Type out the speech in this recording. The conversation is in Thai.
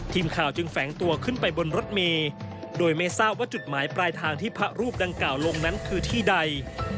ทีมข่าวจึงแฝงตัวขึ้นไปบนรถเมย์โดยไม่ทราบว่าจุดหมายปลายทางที่พระรูปดังกล่าวลงนั้นคือที่ใด